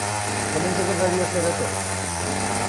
Com ens agradaria ser a tots?